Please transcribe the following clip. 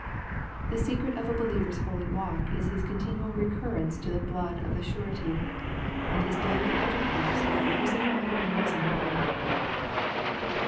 The secret of a believer's holy walk is his continual recurrence to the blood of the Surety, and his daily intercourse with a crucified and risen Lord.